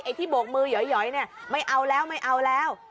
ไอ้ที่โบกมือหย่อยไม่เอาแล้ว